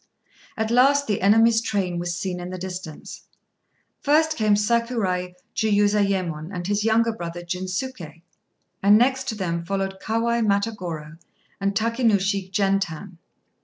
At last the enemy's train was seen in the distance. First came Sakurai Jiuzayémon and his younger brother Jinsuké; and next to them followed Kawai Matagorô and Takénouchi Gentan.